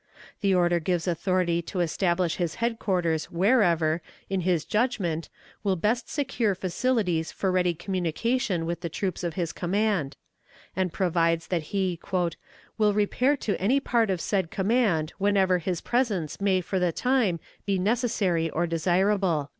The order gives authority to establish his headquarters wherever, in his judgment, will best secure facilities for ready communication with the troops of his command; and provides that he "will repair to any part of said command whenever his presence may for the time be necessary or desirable."